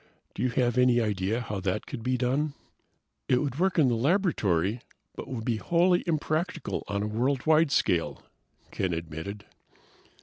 Do you have any idea how that could be done?" "It would work in the laboratory, but would be wholly impractical on a worldwide scale," Ken admitted.